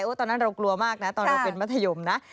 ตอนนั้นเรากลัวมากนะตอนเราเป็นมัธยมนะ